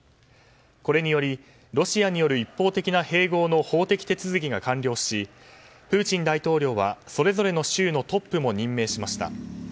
これによりロシアによる一方的な併合の法的手続きが完了しプーチン大統領はそれぞれの州のトップも任命しました。